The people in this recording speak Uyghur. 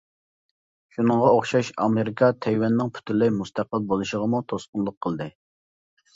شۇنىڭغا ئوخشاش ئامېرىكا تەيۋەننىڭ پۈتۈنلەي مۇستەقىل بولۇشىغىمۇ توسقۇنلۇق قىلدى.